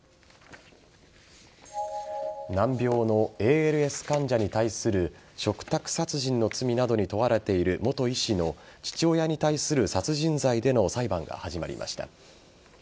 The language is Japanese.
難病のＡＬＳ患者に対する嘱託殺人の罪などに問われている元医師の父親に対する殺人罪での裁判が始まりました。